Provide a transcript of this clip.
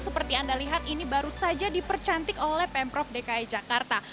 seperti anda lihat ini baru saja dipercantik oleh pemprov dki jakarta